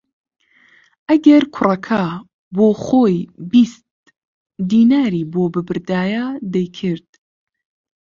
ئەگەر کوڕەکە بۆ خۆی بیست دیناری بۆ ببردایە دەیکرد